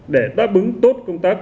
để tác bứng tốt công tác